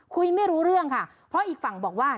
คุยไม่รู้เรื่องค่ะเพราะอีกฝั่งบอกว่า